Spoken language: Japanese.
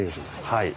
はい。